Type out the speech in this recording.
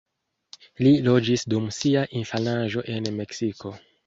Li loĝis dum sia infanaĝo en Meksiko.